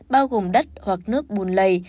bao gồm đất hoặc nước bùn lầy